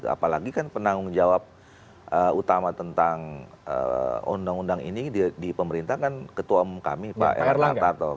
apalagi kan penanggung jawab utama tentang undang undang ini di pemerintah kan ketua umum kami pak erlangga tarto